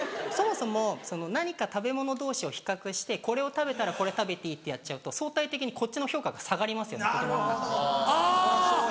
そもそも何か食べ物同士を比較してこれを食べたらこれ食べていいってやっちゃうと相対的にこっちの評価が下がりますよね。